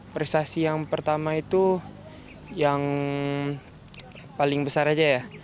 prestasi yang pertama itu yang paling besar aja ya